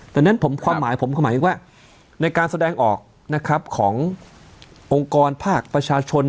แต่ฉะนั้นความหมายผมคือว่าในการแสดงออกขององค์กรภาคประชาชน